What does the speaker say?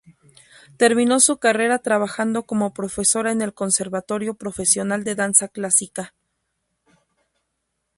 Terminó su carrera trabajando como profesora en el Conservatorio Profesional de Danza Clásica.